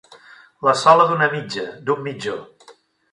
La sola d'una mitja, d'un mitjó.